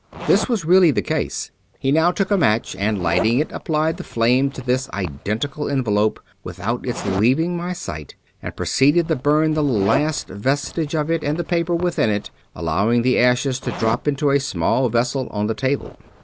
This was really the case. He now took a match, and lighting it applied the flame to this identical envelope without its leaving my sight; and proceeded to bum the last vestige of it and the paper within it, allowing the ashes to drop into a small vessel on the table.